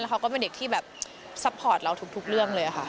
เขาก็เป็นเด็กที่แบบซัพพอร์ตเราทุกเรื่องเลยค่ะ